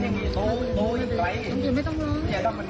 เย็นดียกโหลยกโหลยกโหลยกโหลยกโหลยกโหลยกโหล